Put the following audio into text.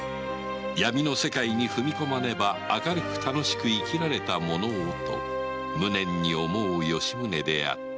闇の世界に踏み込まねば明るく楽しく生きられたものをと無念に思う吉宗であった